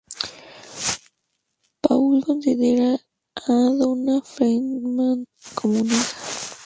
Paul considera a Donna Freedman como a una hija.